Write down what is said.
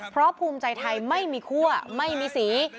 เพราะภูมิใจไทยไม่มีคั่วไม่มีสี